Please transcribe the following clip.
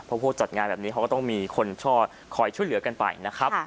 เพราะผู้จัดงานแบบนี้เขาก็ต้องมีคนชอบคอยช่วยเหลือกันไปนะครับ